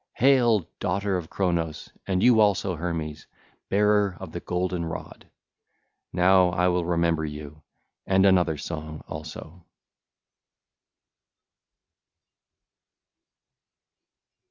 (ll. 12 13) Hail, Daughter of Cronos, and you also, Hermes, bearer of the golden rod! Now I will remember you and another song also.